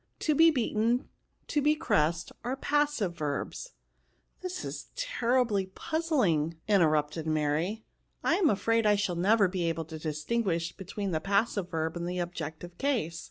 To be beaten, to be caressed, are passive verbs —"This is terribly puzzling," interrupted ♦o 2 148 KOtJKS. Mary ;" I am a&aid I shall never be able to distinguish between the passive verb and the objective case."